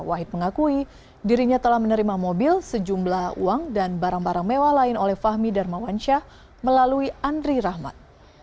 wahid mengakui dirinya telah menerima mobil sejumlah uang dan barang barang mewah lain oleh fahmi darmawansyah melalui andri rahmat